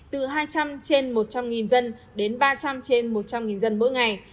từ hai trăm linh trên một trăm linh dân đến ba trăm linh trên một trăm linh dân mỗi ngày